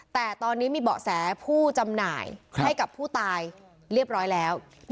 แต่ตอนนี้มีเบาะแสผู้จำหน่ายให้กับผู้ตายเรียบร้อยแล้ว